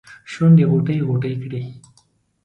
شونډې غوټې ، غوټې کړي